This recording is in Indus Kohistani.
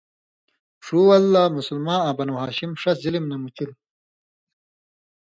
ݜُو وَل لا مُسلماں آں بنو ہاشم ݜس ظِلم نہ مُچِل۔